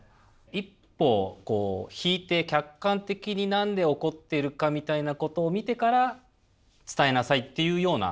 一歩こう引いて客観的に何で怒っているかみたいなことを見てから伝えなさいっていうような。